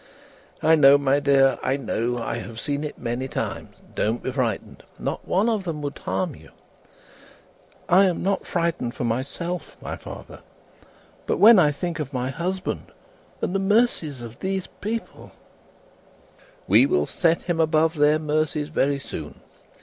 "I know, my dear, I know. I have seen it many times. Don't be frightened! Not one of them would harm you." "I am not frightened for myself, my father. But when I think of my husband, and the mercies of these people " "We will set him above their mercies very soon.